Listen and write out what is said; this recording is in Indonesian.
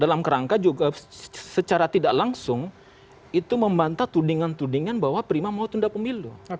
dalam kerangka juga secara tidak langsung itu membantah tudingan tudingan bahwa prima mau tunda pemilu